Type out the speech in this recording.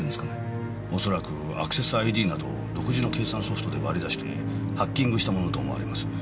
恐らくアクセスＩＤなど独自の計算ソフトで割り出してハッキングしたものと思われます。